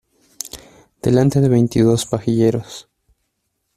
delante de veintidós pajilleros.